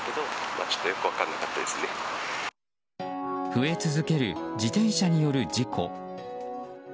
増え続ける自転車による事故。